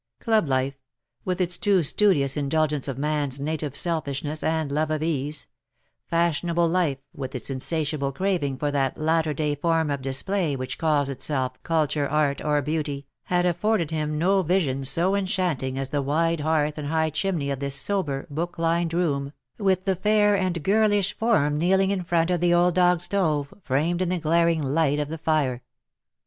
Club life — with its too studious indulgence of man's native selfishness and love of ease — fashionable life, with its insatiable craving for that latter day form of display which calls itself Culture, Art, or Beauty — had afforded him no vision so enchanting 48 BUT THEN CAME ONE, as the wide hearth and high chimney of this sober, book lined room, with the fair and girlish form kneeling in front of the old dogstove, framed in the glaring light of the fire.